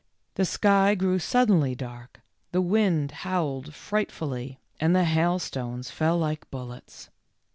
The sky grew suddenly dark, the wind howled frightfully, and the hailstones fell like bullets.